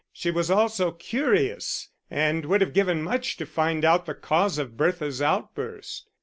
She was also curious, and would have given much to find out the cause of Bertha's outburst.